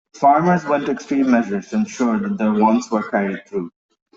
Farmers went to extreme measures to ensure that their wants were carried through.